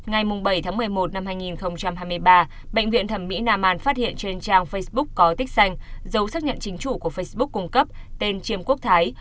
ngày bảy một mươi một năm hai nghìn hai mươi ba bệnh viện thẩm mỹ naman phát hiện trên trang facebook có tích xanh dấu xác nhận chính chủ của facebook cung cấp tên chiêm quốc thái